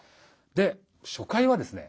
で初回はですね